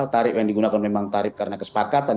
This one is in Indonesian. tarif yang digunakan memang tarif karena kesepakatan